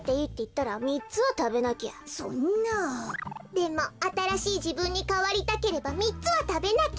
でもあたらしいじぶんにかわりたければみっつはたべなきゃ。